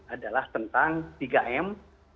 adalah tentang tiga m